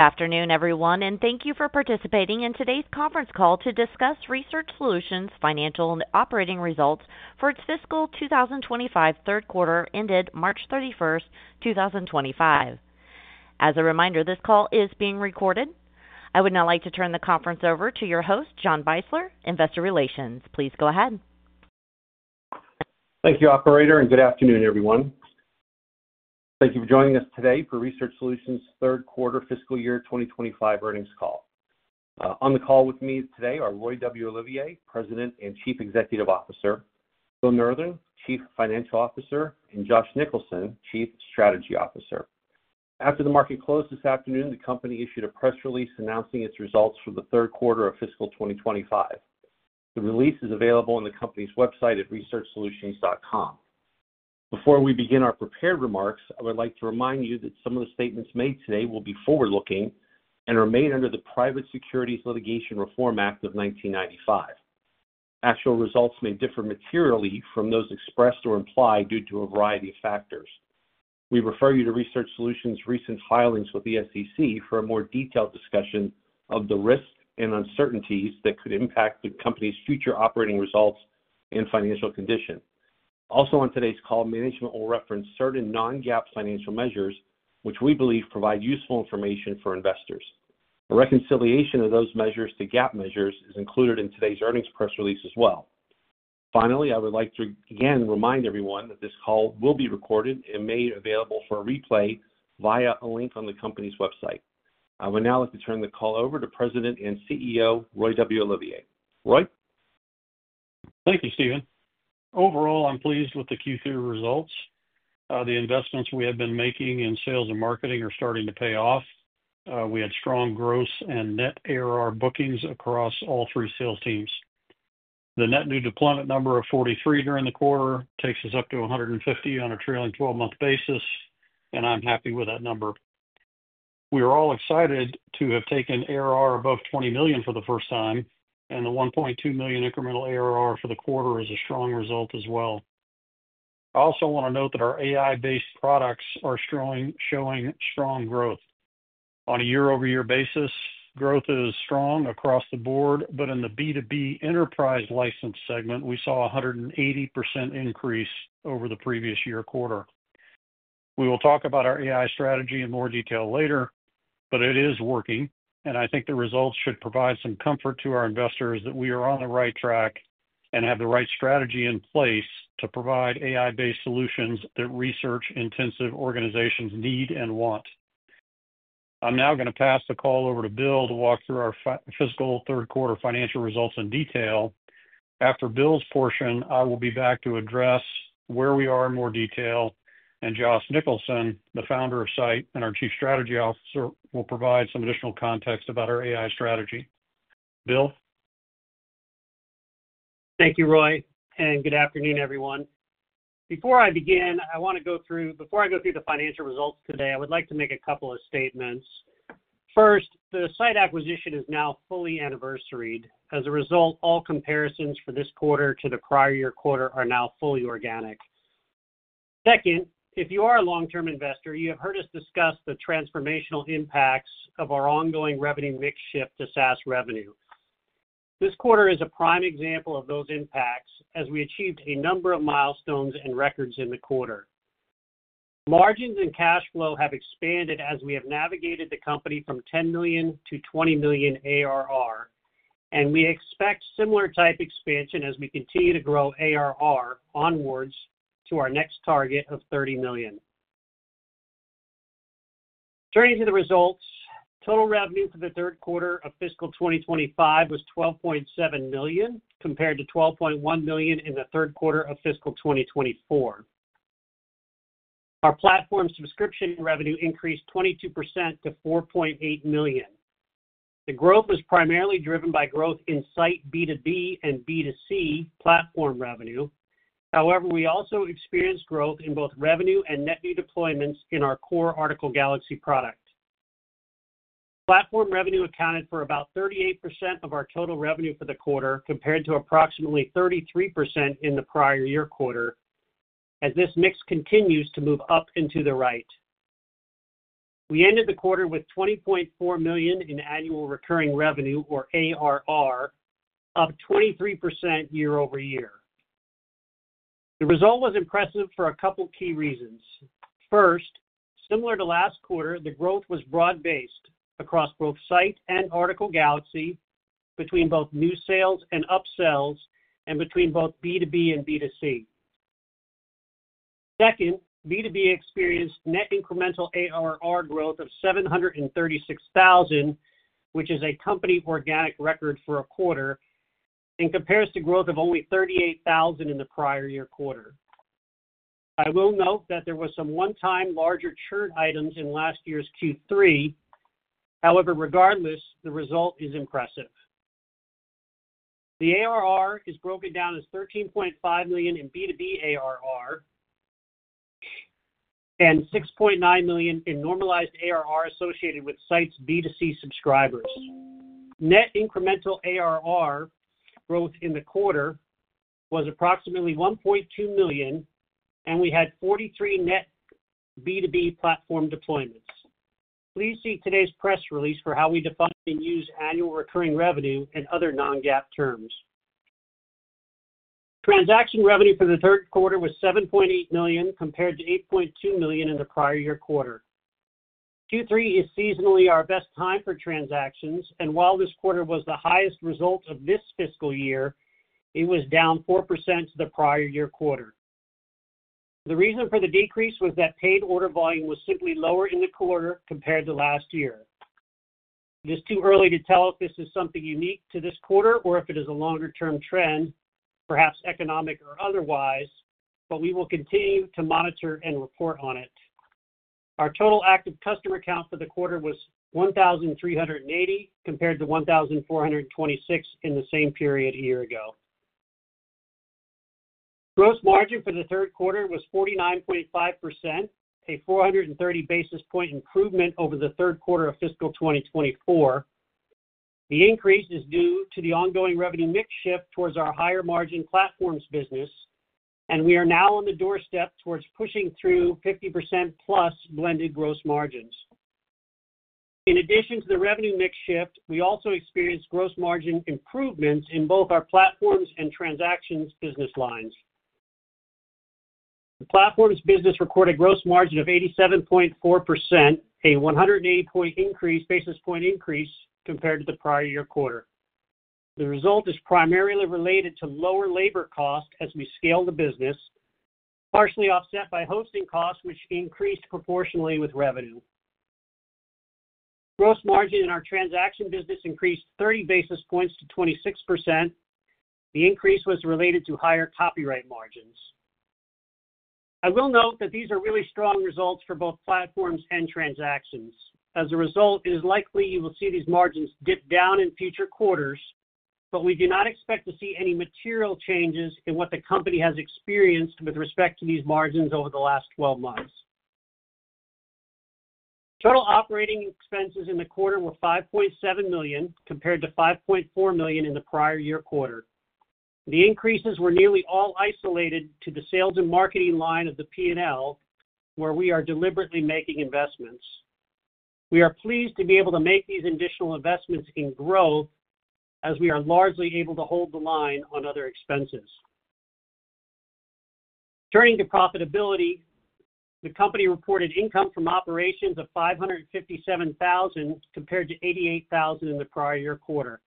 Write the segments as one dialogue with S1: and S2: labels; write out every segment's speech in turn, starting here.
S1: Afternoon, everyone, and thank you for participating in today's conference call to discuss Research Solutions' financial and operating results for its fiscal 2025 third quarter ended March 31, 2025. As a reminder, this call is being recorded. I would now like to turn the conference over to your host, John Beisler, Investor Relations. Please go ahead.
S2: Thank you, Operator, and good afternoon, everyone. Thank you for joining us today for Research Solutions' third quarter fiscal year 2025 earnings call. On the call with me today are Roy W. Olivier, President and Chief Executive Officer; William Evans, Chief Financial Officer; and Josh Nicholson, Chief Strategy Officer. After the market closed this afternoon, the company issued a press release announcing its results for the third quarter of fiscal 2025. The release is available on the company's website at researchsolutions.com. Before we begin our prepared remarks, I would like to remind you that some of the statements made today will be forward-looking and are made under the Private Securities Litigation Reform Act of 1995. Actual results may differ materially from those expressed or implied due to a variety of factors. We refer you to Research Solutions' recent filings with the SEC for a more detailed discussion of the risks and uncertainties that could impact the company's future operating results and financial condition. Also, on today's call, management will reference certain non-GAAP financial measures, which we believe provide useful information for investors. A reconciliation of those measures to GAAP measures is included in today's earnings press release as well. Finally, I would like to again remind everyone that this call will be recorded and made available for replay via a link on the company's website. I would now like to turn the call over to President and CEO Roy W. Olivier. Roy?
S3: Thank you, Stephan. Overall, I'm pleased with the Q3 results. The investments we have been making in sales and marketing are starting to pay off. We had strong gross and net ARR bookings across all three sales teams. The net new deployment number of 43 during the quarter takes us up to 150 on a trailing 12-month basis, and I'm happy with that number. We are all excited to have taken ARR above $20 million for the first time, and the $1.2 million incremental ARR for the quarter is a strong result as well. I also want to note that our AI-based products are showing strong growth. On a year-over-year basis, growth is strong across the board, but in the B2B enterprise license segment, we saw a 180% increase over the previous year quarter. We will talk about our AI strategy in more detail later, but it is working, and I think the results should provide some comfort to our investors that we are on the right track and have the right strategy in place to provide AI-based solutions that research-intensive organizations need and want. I'm now going to pass the call over to Bill to walk through our fiscal third quarter financial results in detail. After Bill's portion, I will be back to address where we are in more detail, and Josh Nicholson, the founder of scite and our Chief Strategy Officer, will provide some additional context about our AI strategy. Bill?
S4: Thank you, Roy, and good afternoon, everyone. Before I begin, I want to go through—before I go through the financial results today, I would like to make a couple of statements. First, the scite acquisition is now fully anniversaried. As a result, all comparisons for this quarter to the prior year quarter are now fully organic. Second, if you are a long-term investor, you have heard us discuss the transformational impacts of our ongoing revenue mix shift to SaaS revenue. This quarter is a prime example of those impacts as we achieved a number of milestones and records in the quarter. Margins and cash flow have expanded as we have navigated the company from $10 million-$20 million ARR, and we expect similar type expansion as we continue to grow ARR onwards to our next target of $30 million. Turning to the results, total revenue for the third quarter of fiscal 2025 was $12.7 million compared to $12.1 million in the third quarter of fiscal 2024. Our platform subscription revenue increased 22% to $4.8 million. The growth was primarily driven by growth in scite B2B and B2C platform revenue. However, we also experienced growth in both revenue and net new deployments in our core Article Galaxy product. Platform revenue accounted for about 38% of our total revenue for the quarter compared to approximately 33% in the prior year quarter, as this mix continues to move up and to the right. We ended the quarter with $20.4 million in annual recurring revenue, or ARR, up 23% year over year. The result was impressive for a couple of key reasons. First, similar to last quarter, the growth was broad-based across both scite and Article Galaxy between both new sales and upsells and between both B2B and B2C. Second, B2B experienced net incremental ARR growth of $736,000, which is a company organic record for a quarter in comparison to growth of only $38,000 in the prior year quarter. I will note that there were some one-time larger churn items in last year's Q3. However, regardless, the result is impressive. The ARR is broken down as $13.5 million in B2B ARR and $6.9 million in normalized ARR associated with scite's B2C subscribers. Net incremental ARR growth in the quarter was approximately $1.2 million, and we had 43 net B2B platform deployments. Please see today's press release for how we define and use annual recurring revenue in other non-GAAP terms. Transaction revenue for the third quarter was $7.8 million compared to $8.2 million in the prior year quarter. Q3 is seasonally our best time for transactions, and while this quarter was the highest result of this fiscal year, it was down 4% to the prior year quarter. The reason for the decrease was that paid order volume was simply lower in the quarter compared to last year. It is too early to tell if this is something unique to this quarter or if it is a longer-term trend, perhaps economic or otherwise, but we will continue to monitor and report on it. Our total active customer count for the quarter was 1,380 compared to 1,426 in the same period a year ago. Gross margin for the third quarter was 49.5%, a 430 basis point improvement over the third quarter of fiscal 2024. The increase is due to the ongoing revenue mix shift towards our higher margin platforms business, and we are now on the doorstep towards pushing through 50% plus blended gross margins. In addition to the revenue mix shift, we also experienced gross margin improvements in both our platforms and transactions business lines. The platforms business recorded gross margin of 87.4%, a 180 basis point increase compared to the prior year quarter. The result is primarily related to lower labor costs as we scale the business, partially offset by hosting costs, which increased proportionally with revenue. Gross margin in our transaction business increased 30 basis points to 26%. The increase was related to higher copyright margins. I will note that these are really strong results for both platforms and transactions. As a result, it is likely you will see these margins dip down in future quarters, but we do not expect to see any material changes in what the company has experienced with respect to these margins over the last 12 months. Total operating expenses in the quarter were $5.7 million compared to $5.4 million in the prior year quarter. The increases were nearly all isolated to the sales and marketing line of the P&L, where we are deliberately making investments. We are pleased to be able to make these additional investments in growth as we are largely able to hold the line on other expenses. Turning to profitability, the company reported income from operations of $557,000 compared to $88,000 in the prior year quarter.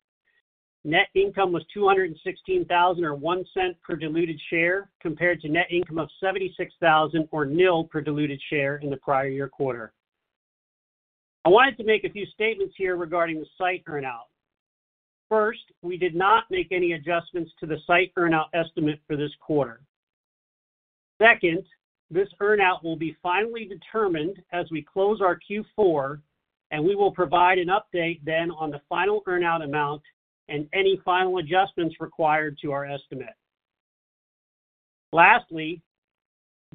S4: Net income was $216,000 or $0.01 per diluted share compared to net income of $76,000 or nil per diluted share in the prior year quarter. I wanted to make a few statements here regarding the scite earnout. First, we did not make any adjustments to the scite earnout estimate for this quarter. Second, this earnout will be finally determined as we close our Q4, and we will provide an update then on the final earnout amount and any final adjustments required to our estimate. Lastly,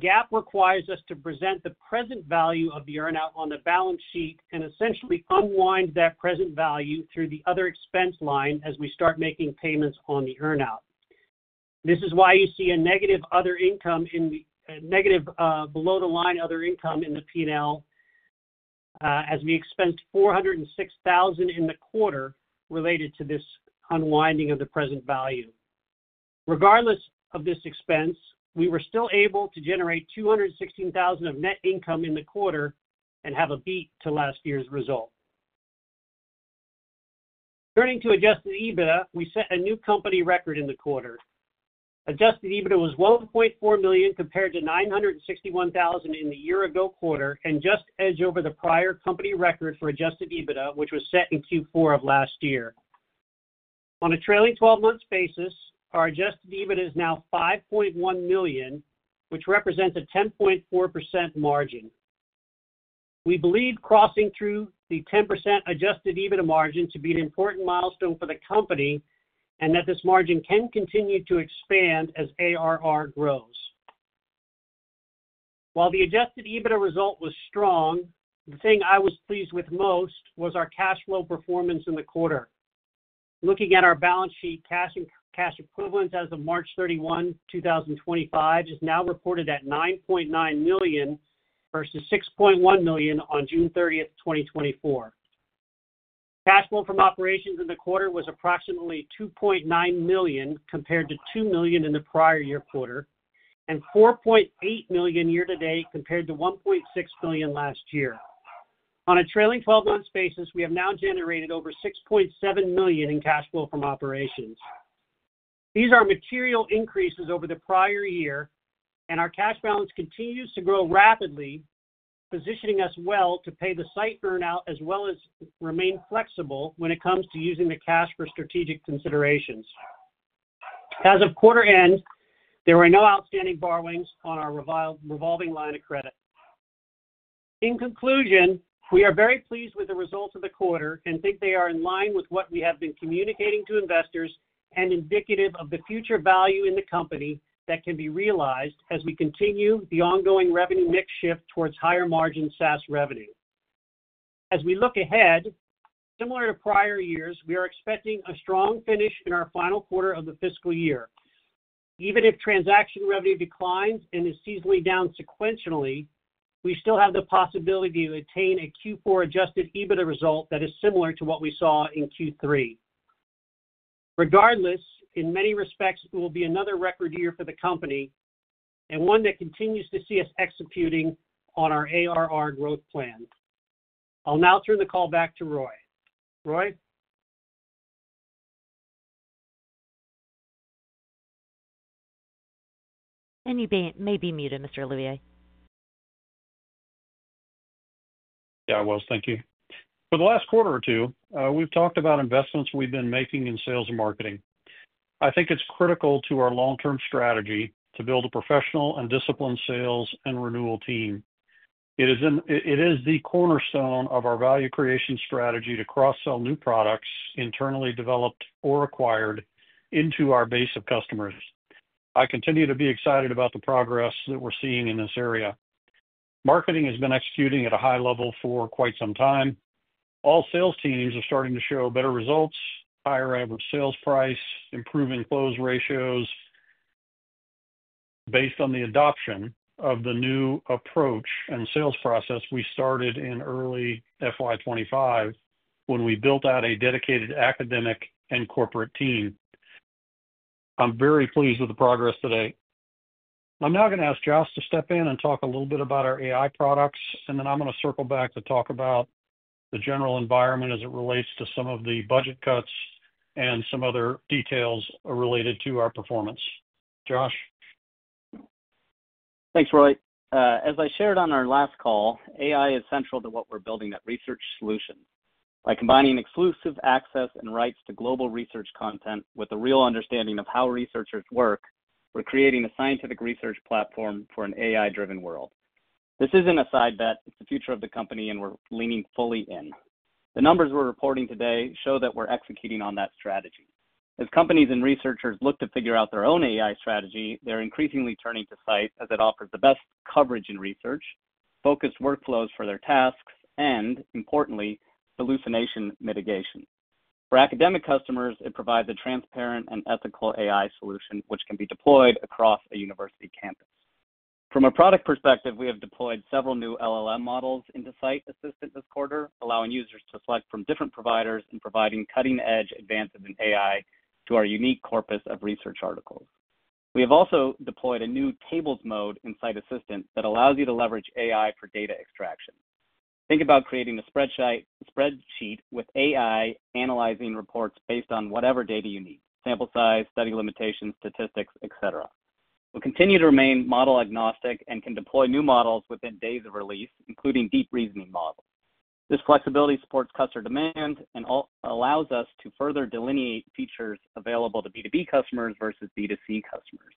S4: GAAP requires us to present the present value of the earnout on the balance sheet and essentially unwind that present value through the other expense line as we start making payments on the earnout. This is why you see a negative other income in the negative below the line other income in the P&L as we expense $406,000 in the quarter related to this unwinding of the present value. Regardless of this expense, we were still able to generate $216,000 of net income in the quarter and have a beat to last year's result. Turning to adjusted EBITDA, we set a new company record in the quarter. Adjusted EBITDA was $1.4 million compared to $961,000 in the year-ago quarter and just edge over the prior company record for adjusted EBITDA, which was set in Q4 of last year. On a trailing 12-month basis, our adjusted EBITDA is now $5.1 million, which represents a 10.4% margin. We believe crossing through the 10% adjusted EBITDA margin to be an important milestone for the company and that this margin can continue to expand as ARR grows. While the adjusted EBITDA result was strong, the thing I was pleased with most was our cash flow performance in the quarter. Looking at our balance sheet, cash equivalents as of March 31, 2025, is now reported at $9.9 million versus $6.1 million on June 30, 2024. Cash flow from operations in the quarter was approximately $2.9 million compared to $2 million in the prior year quarter and $4.8 million year-to-date compared to $1.6 million last year. On a trailing 12-month basis, we have now generated over $6.7 million in cash flow from operations. These are material increases over the prior year, and our cash balance continues to grow rapidly, positioning us well to pay the scite earnout as well as remain flexible when it comes to using the cash for strategic considerations. As of quarter end, there are no outstanding borrowings on our revolving line of credit. In conclusion, we are very pleased with the results of the quarter and think they are in line with what we have been communicating to investors and indicative of the future value in the company that can be realized as we continue the ongoing revenue mix shift towards higher margin SaaS revenue. As we look ahead, similar to prior years, we are expecting a strong finish in our final quarter of the fiscal year. Even if transaction revenue declines and is seasonally down sequentially, we still have the possibility to attain a Q4 adjusted EBITDA result that is similar to what we saw in Q3. Regardless, in many respects, it will be another record year for the company and one that continues to see us executing on our ARR growth plan. I'll now turn the call back to Roy. Roy.
S1: You may be muted, Mr. Olivier.
S3: Yeah, I was. Thank you. For the last quarter or two, we've talked about investments we've been making in sales and marketing. I think it's critical to our long-term strategy to build a professional and disciplined sales and renewal team. It is the cornerstone of our value creation strategy to cross-sell new products internally developed or acquired into our base of customers. I continue to be excited about the progress that we're seeing in this area. Marketing has been executing at a high level for quite some time. All sales teams are starting to show better results, higher average sales price, improving close ratios. Based on the adoption of the new approach and sales process we started in early FY2025 when we built out a dedicated academic and corporate team, I'm very pleased with the progress today. I'm now going to ask Josh to step in and talk a little bit about our AI products, and then I'm going to circle back to talk about the general environment as it relates to some of the budget cuts and some other details related to our performance. Josh.
S5: Thanks, Roy. As I shared on our last call, AI is central to what we're building at Research Solutions. By combining exclusive access and rights to global research content with a real understanding of how researchers work, we're creating a scientific research platform for an AI-driven world. This isn't a side bet. It's the future of the company, and we're leaning fully in. The numbers we're reporting today show that we're executing on that strategy. As companies and researchers look to figure out their own AI strategy, they're increasingly turning to scite as it offers the best coverage in research, focused workflows for their tasks, and, importantly, hallucination mitigation. For academic customers, it provides a transparent and ethical AI solution, which can be deployed across a university campus. From a product perspective, we have deployed several new LLM models into scite Assistant this quarter, allowing users to select from different providers and providing cutting-edge advances in AI to our unique corpus of research articles. We have also deployed a new tables mode in scite Assistant that allows you to leverage AI for data extraction. Think about creating a spreadsheet with AI analyzing reports based on whatever data you need: sample size, study limitations, statistics, etc. We will continue to remain model agnostic and can deploy new models within days of release, including deep reasoning models. This flexibility supports customer demand and allows us to further delineate features available to B2B customers versus B2C customers.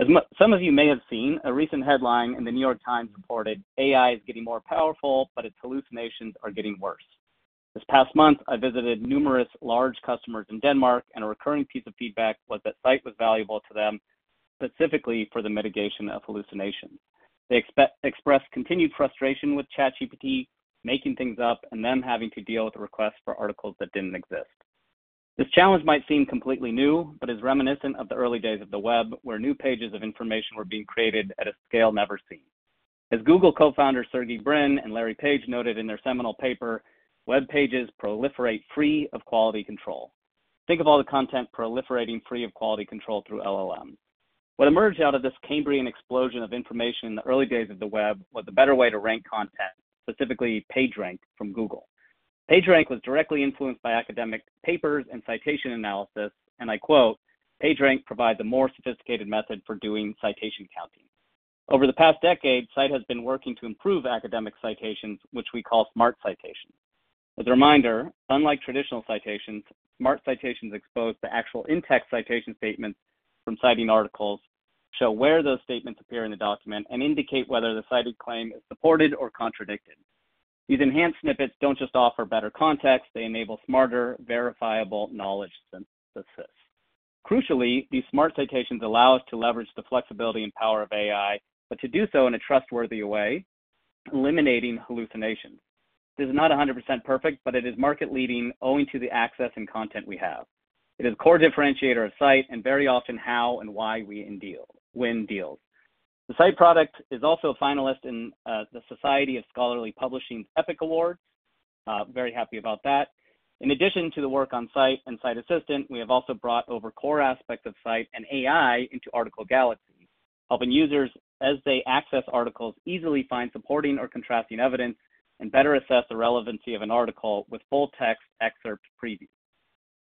S5: As some of you may have seen, a recent headline in The New York Times reported, "AI is getting more powerful, but its hallucinations are getting worse." This past month, I visited numerous large customers in Denmark, and a recurring piece of feedback was that scite was valuable to them, specifically for the mitigation of hallucinations. They expressed continued frustration with ChatGPT, making things up, and then having to deal with requests for articles that did not exist. This challenge might seem completely new, but is reminiscent of the early days of the web, where new pages of information were being created at a scale never seen. As Google co-founders Sergey Brin and Larry Page noted in their seminal paper, "Web pages proliferate free of quality control." Think of all the content proliferating free of quality control through LLM. What emerged out of this Cambrian explosion of information in the early days of the web was a better way to rank content, specifically PageRank from Google. PageRank was directly influenced by academic papers and citation analysis, and I quote, "PageRank provides a more sophisticated method for doing citation counting." Over the past decade, scite has been working to improve academic citations, which we call smart citations. As a reminder, unlike traditional citations, smart citations expose the actual in-text citation statements from citing articles, show where those statements appear in the document, and indicate whether the cited claim is supported or contradicted. These enhanced snippets do not just offer better context, they enable smarter, verifiable knowledge synthesis. Crucially, these smart citations allow us to leverage the flexibility and power of AI, but to do so in a trustworthy way, eliminating hallucinations. This is not 100% perfect, but it is market-leading, owing to the access and content we have. It is a core differentiator of Scite and very often how and why we deal when dealed. The Scite product is also a finalist in the Society of Scholarly Publishing's Apex Award. Very happy about that. In addition to the work on Scite and Scite Assistant, we have also brought over core aspects of Scite and AI into Article Galaxy, helping users, as they access articles, easily find supporting or contrasting evidence and better assess the relevancy of an article with full-text excerpt preview.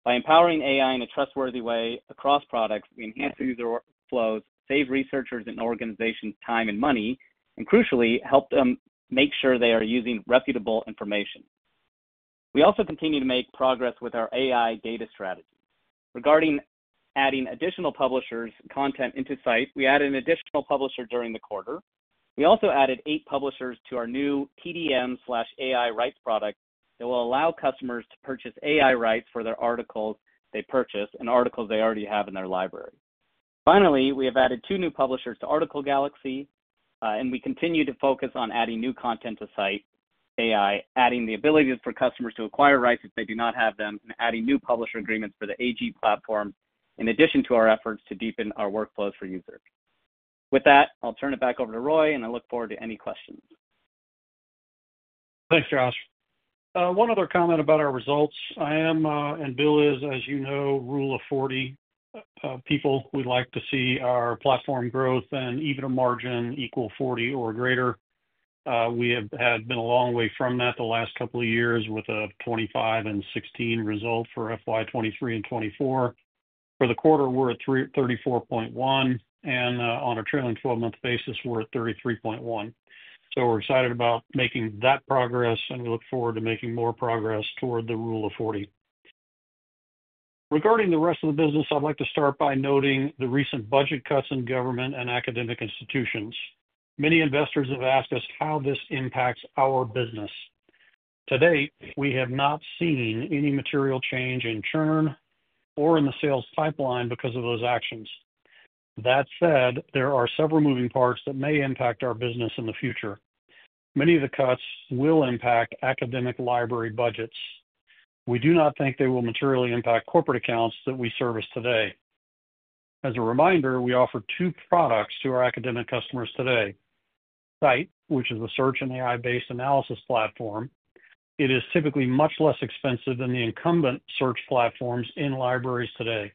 S5: By empowering AI in a trustworthy way across products, we enhance user workflows, save researchers and organizations' time and money, and crucially, help them make sure they are using reputable information. We also continue to make progress with our AI data strategy. Regarding adding additional publishers' content into Scite, we added an additional publisher during the quarter. We also added eight publishers to our new TDM/AI rights product that will allow customers to purchase AI rights for their articles they purchased and articles they already have in their library. Finally, we have added two new publishers to Article Galaxy, and we continue to focus on adding new content to Scite AI, adding the ability for customers to acquire rights if they do not have them, and adding new publisher agreements for the AG platform, in addition to our efforts to deepen our workflows for users. With that, I'll turn it back over to Roy, and I look forward to any questions.
S3: Thanks, Josh. One other comment about our results. I am, and Bill is, as you know, rule of 40 people. We'd like to see our platform growth and EBITDA margin equal 40 or greater. We have been a long way from that the last couple of years with a 25 and 16 result for FY2023 and 2024. For the quarter, we're at 34.1, and on a trailing 12-month basis, we're at 33.1. We are excited about making that progress, and we look forward to making more progress toward the rule of 40. Regarding the rest of the business, I'd like to start by noting the recent budget cuts in government and academic institutions. Many investors have asked us how this impacts our business. To date, we have not seen any material change in churn or in the sales pipeline because of those actions. That said, there are several moving parts that may impact our business in the future. Many of the cuts will impact academic library budgets. We do not think they will materially impact corporate accounts that we service today. As a reminder, we offer two products to our academic customers today: Scite, which is a search and AI-based analysis platform. It is typically much less expensive than the incumbent search platforms in libraries today.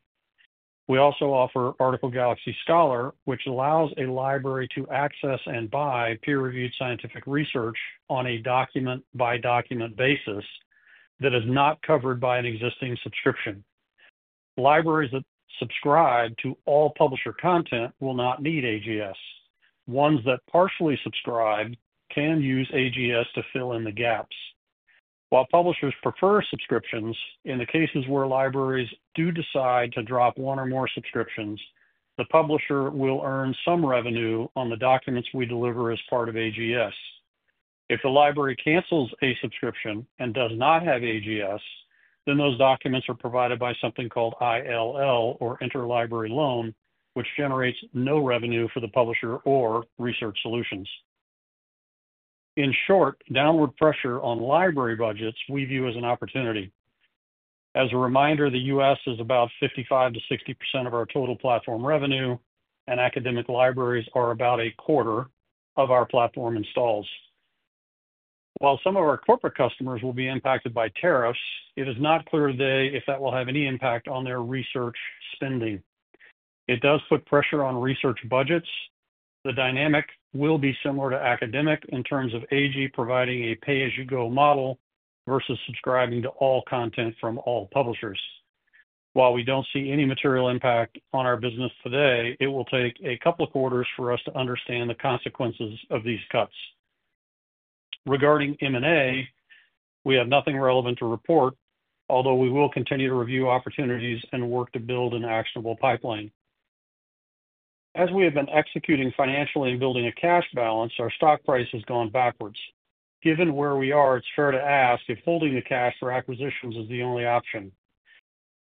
S3: We also offer Article Galaxy Scholar, which allows a library to access and buy peer-reviewed scientific research on a document-by-document basis that is not covered by an existing subscription. Libraries that subscribe to all publisher content will not need AGS. Ones that partially subscribe can use AGS to fill in the gaps. While publishers prefer subscriptions, in the cases where libraries do decide to drop one or more subscriptions, the publisher will earn some revenue on the documents we deliver as part of AGS. If the library cancels a subscription and does not have AGS, then those documents are provided by something called ILL, or interlibrary loan, which generates no revenue for the publisher or Research Solutions. In short, downward pressure on library budgets we view as an opportunity. As a reminder, the U.S. is about 55-60% of our total platform revenue, and academic libraries are about a quarter of our platform installs. While some of our corporate customers will be impacted by tariffs, it is not clear today if that will have any impact on their research spending. It does put pressure on research budgets. The dynamic will be similar to academic in terms of AG providing a pay-as-you-go model versus subscribing to all content from all publishers. While we do not see any material impact on our business today, it will take a couple of quarters for us to understand the consequences of these cuts. Regarding M&A, we have nothing relevant to report, although we will continue to review opportunities and work to build an actionable pipeline. As we have been executing financially and building a cash balance, our stock price has gone backwards. Given where we are, it is fair to ask if holding the cash for acquisitions is the only option.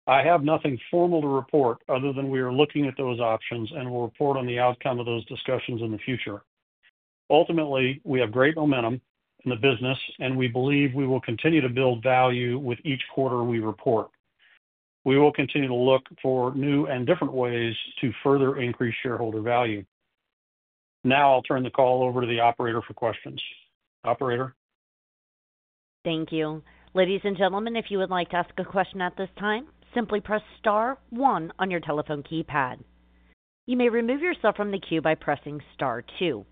S3: I have nothing formal to report other than we are looking at those options and will report on the outcome of those discussions in the future. Ultimately, we have great momentum in the business, and we believe we will continue to build value with each quarter we report. We will continue to look for new and different ways to further increase shareholder value. Now I'll turn the call over to the operator for questions. Operator.
S1: Thank you. Ladies and gentlemen, if you would like to ask a question at this time, simply press star one on your telephone keypad. You may remove yourself from the queue by pressing star two.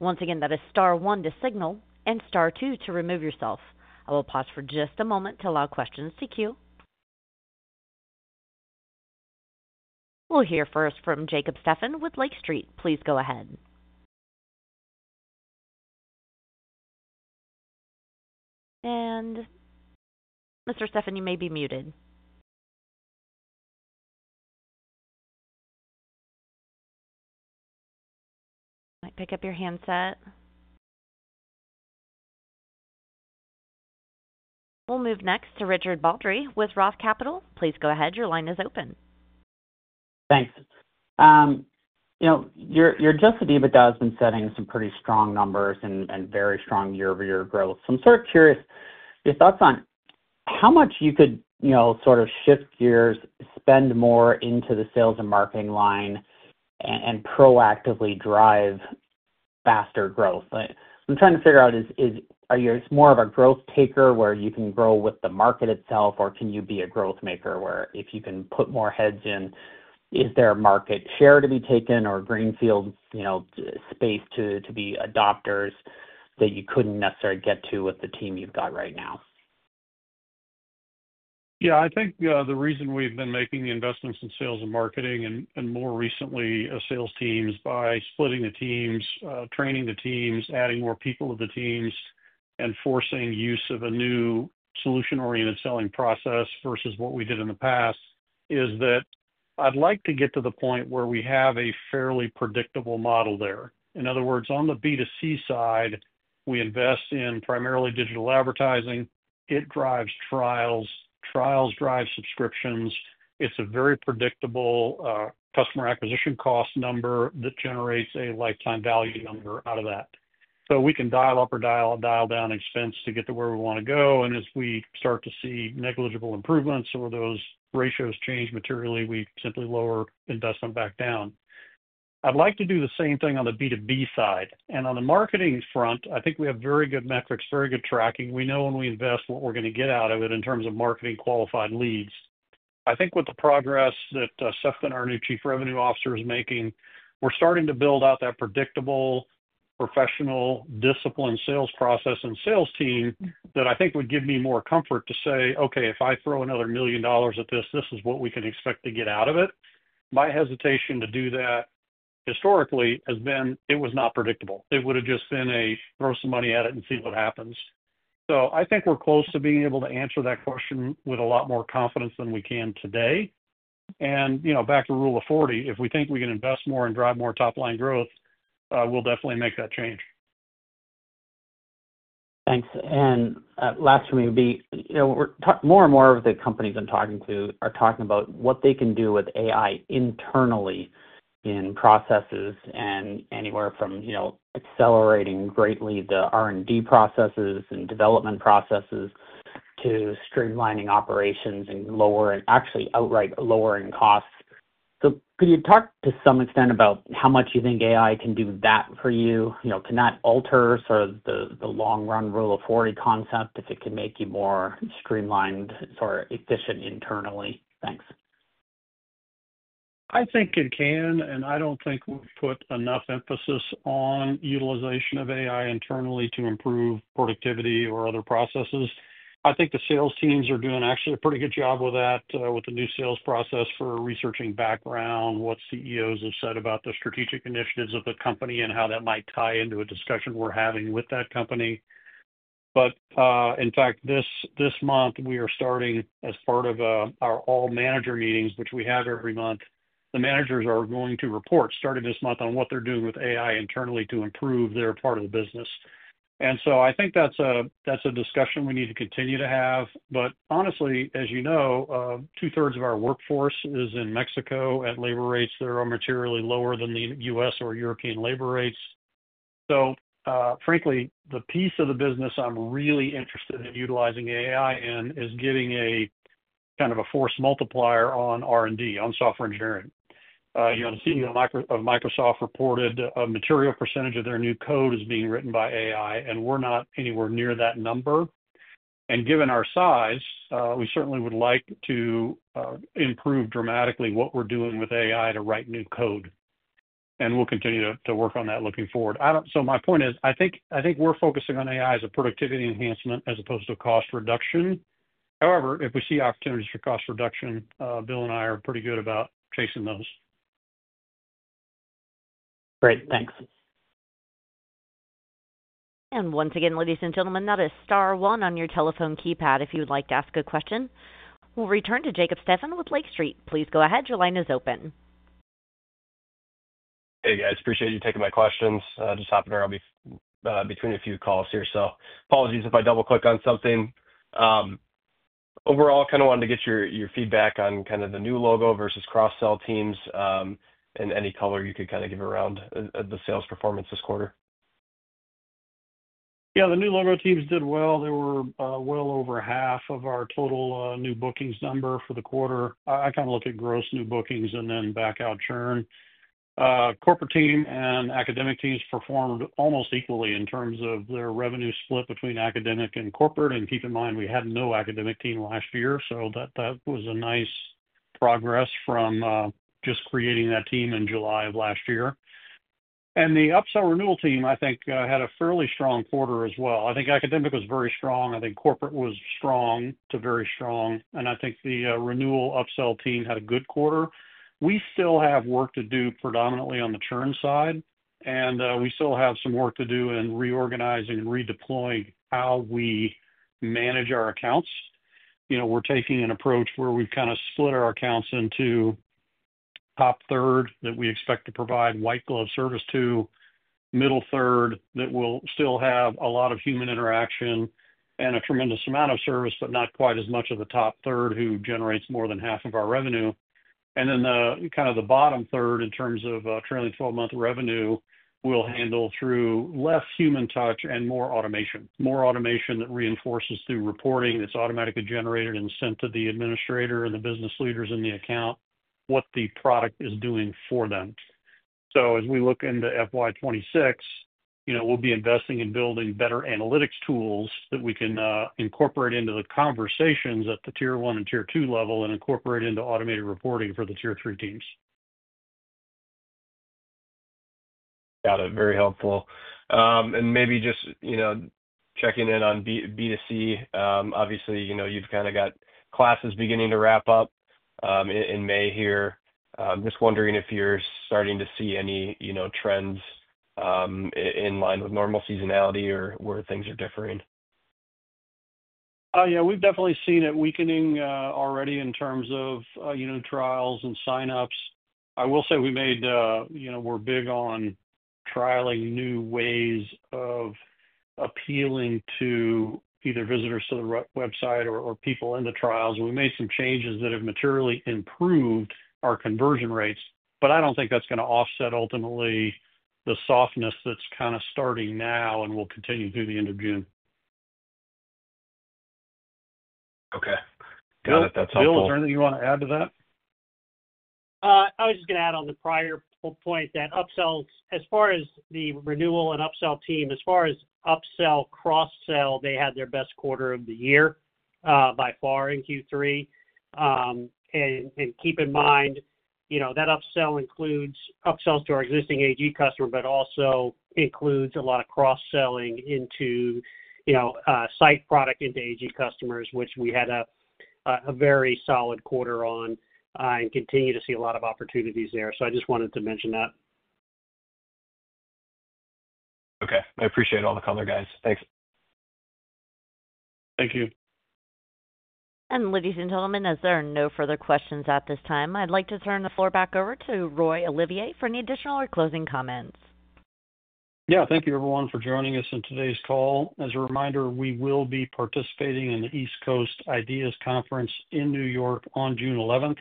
S1: Once again, that is star one to signal and star two to remove yourself. I will pause for just a moment to allow questions to queue. We'll hear first from Jacob Stephan with Lake Street. Please go ahead. Mr. Stefan, you may be muted. Might pick up your handset. We'll move next to Richard Baldry with Roth Capital. Please go ahead. Your line is open.
S6: Thanks. You're just the deep of dozen, setting some pretty strong numbers and very strong year-over-year growth. I am sort of curious your thoughts on how much you could sort of shift gears, spend more into the sales and marketing line, and proactively drive faster growth. I'm trying to figure out, are you more of a growth taker where you can grow with the market itself, or can you be a growth maker where if you can put more heads in, is there a market share to be taken or a greenfield space to be adopters that you couldn't necessarily get to with the team you've got right now?
S3: Yeah, I think the reason we've been making the investments in sales and marketing and more recently sales teams by splitting the teams, training the teams, adding more people to the teams, and forcing use of a new solution-oriented selling process versus what we did in the past is that I'd like to get to the point where we have a fairly predictable model there. In other words, on the B2C side, we invest in primarily digital advertising. It drives trials. Trials drive subscriptions. It's a very predictable customer acquisition cost number that generates a lifetime value number out of that. We can dial up or dial down expense to get to where we want to go. As we start to see negligible improvements or those ratios change materially, we simply lower investment back down. I'd like to do the same thing on the B2B side. On the marketing front, I think we have very good metrics, very good tracking. We know when we invest what we're going to get out of it in terms of marketing qualified leads. I think with the progress that Stefan, our new Chief Revenue Officer, is making, we're starting to build out that predictable, professional, disciplined sales process and sales team that I think would give me more comfort to say, "Okay, if I throw another $1 million at this, this is what we can expect to get out of it." My hesitation to do that historically has been it was not predictable. It would have just been a throw some money at it and see what happens. I think we're close to being able to answer that question with a lot more confidence than we can today. Back to rule of 40, if we think we can invest more and drive more top-line growth, we'll definitely make that change.
S6: Thanks. Last for me would be more and more of the companies I'm talking to are talking about what they can do with AI internally in processes and anywhere from accelerating greatly the R&D processes and development processes to streamlining operations and actually outright lowering costs. Could you talk to some extent about how much you think AI can do that for you? Can that alter sort of the long-run rule of 40 concept if it can make you more streamlined or efficient internally? Thanks.
S3: I think it can, and I don't think we've put enough emphasis on utilization of AI internally to improve productivity or other processes. I think the sales teams are doing actually a pretty good job with that, with the new sales process for researching background, what CEOs have said about the strategic initiatives of the company and how that might tie into a discussion we're having with that company. In fact, this month, we are starting as part of our all-manager meetings, which we have every month. The managers are going to report starting this month on what they're doing with AI internally to improve their part of the business. I think that's a discussion we need to continue to have. Honestly, as you know, two-thirds of our workforce is in Mexico at labor rates that are materially lower than the U.S. or European labor rates. Frankly, the piece of the business I'm really interested in utilizing AI in is getting a kind of a force multiplier on R&D, on software engineering. The CEO of Microsoft reported a material percentage of their new code is being written by AI, and we're not anywhere near that number. Given our size, we certainly would like to improve dramatically what we're doing with AI to write new code. We'll continue to work on that looking forward. My point is, I think we're focusing on AI as a productivity enhancement as opposed to cost reduction. However, if we see opportunities for cost reduction, Bill and I are pretty good about chasing those.
S6: Great. Thanks.
S1: Once again, ladies and gentlemen, that is star one on your telephone keypad if you would like to ask a question. We will return to Jacob Stephan with Lake Street. Please go ahead. Your line is open.
S7: Hey, guys. Appreciate you taking my questions. Just happened to be between a few calls here, so apologies if I double-click on something. Overall, kind of wanted to get your feedback on kind of the new logo versus cross-sell teams and any color you could kind of give around the sales performance this quarter.
S3: Yeah, the new logo teams did well. They were well over half of our total new bookings number for the quarter. I kind of look at gross new bookings and then back-out churn. Corporate team and academic teams performed almost equally in terms of their revenue split between academic and corporate. Keep in mind, we had no academic team last year, so that was a nice progress from just creating that team in July of last year. The upsell renewal team, I think, had a fairly strong quarter as well. I think academic was very strong. I think corporate was strong to very strong. I think the renewal upsell team had a good quarter. We still have work to do predominantly on the churn side, and we still have some work to do in reorganizing and redeploying how we manage our accounts. We're taking an approach where we've kind of split our accounts into top third that we expect to provide white-glove service to, middle third that will still have a lot of human interaction and a tremendous amount of service, but not quite as much of the top third who generates more than half of our revenue. Then kind of the bottom third in terms of trailing 12-month revenue will handle through less human touch and more automation. More automation that reinforces through reporting. It's automatically generated and sent to the administrator and the business leaders in the account what the product is doing for them. As we look into FY2026, we'll be investing in building better analytics tools that we can incorporate into the conversations at the tier one and tier two level and incorporate into automated reporting for the tier three teams.
S7: Got it. Very helpful. Maybe just checking in on B2C, obviously, you've kind of got classes beginning to wrap up in May here. Just wondering if you're starting to see any trends in line with normal seasonality or where things are differing.
S3: Yeah, we've definitely seen it weakening already in terms of trials and sign-ups. I will say we made—we're big on trialing new ways of appealing to either visitors to the website or people in the trials. We made some changes that have materially improved our conversion rates, but I don't think that's going to offset ultimately the softness that's kind of starting now and will continue through the end of June.
S7: Okay. Got it. That's helpful.
S3: Bill, is there anything you want to add to that?
S4: I was just going to add on the prior point that upsells, as far as the renewal and upsell team, as far as upsell cross-sell, they had their best quarter of the year by far in Q3. Keep in mind that upsell includes upsells to our existing AG customer, but also includes a lot of cross-selling into Scite product into AG customers, which we had a very solid quarter on and continue to see a lot of opportunities there. I just wanted to mention that.
S7: Okay. I appreciate all the color, guys. Thanks.
S3: Thank you.
S1: Ladies and gentlemen, as there are no further questions at this time, I'd like to turn the floor back over to Roy W. Olivier for any additional or closing comments.
S3: Yeah, thank you, everyone, for joining us in today's call. As a reminder, we will be participating in the East Coast Ideas Conference in New York on June 11.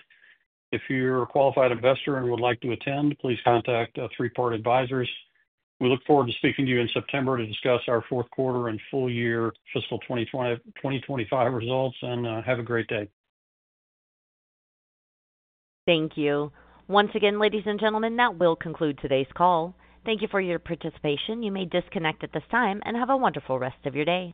S3: If you're a qualified investor and would like to attend, please contact Three Part Advisors. We look forward to speaking to you in September to discuss our fourth quarter and full year, fiscal 2025 results, and have a great day.
S1: Thank you. Once again, ladies and gentlemen, that will conclude today's call. Thank you for your participation. You may disconnect at this time and have a wonderful rest of your day.